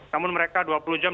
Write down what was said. namun mereka dua puluh jam